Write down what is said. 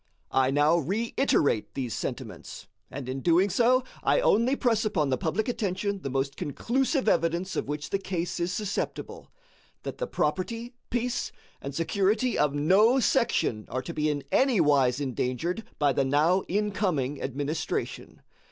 I now reiterate these sentiments; and, in doing so, I only press upon the public attention the most conclusive evidence of which the case is susceptible, that the property, peace, and security of no section are to be in any wise endangered by the now incoming administration.